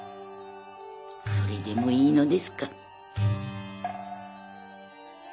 それでもいいのですか？